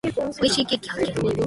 美味しいケーキ発見。